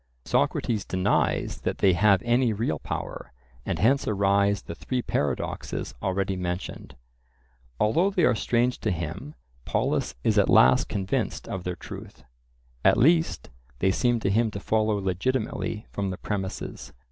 Socrates denies that they have any real power, and hence arise the three paradoxes already mentioned. Although they are strange to him, Polus is at last convinced of their truth; at least, they seem to him to follow legitimately from the premises.